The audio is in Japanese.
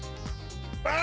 あ！